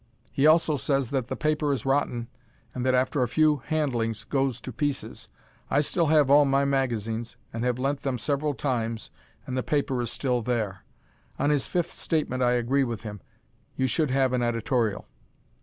He also says that the paper is rotten, and that after a few handlings goes to pieces. I still have all my magazines, and have lent them several times, and the paper is still there. On his fifth statement I agree with him: you should have an editorial.